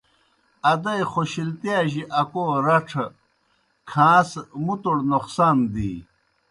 ادَئی خوشلتِیاجیْ اکو رڇھہ کھاں سہ مُتوڑ نوخصان دی